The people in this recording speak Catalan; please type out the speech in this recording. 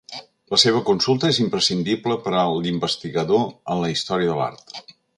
La seva consulta és imprescindible per a l'investigador en la història de l'art.